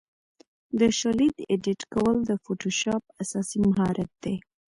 د شالید ایډیټ کول د فوټوشاپ اساسي مهارت دی.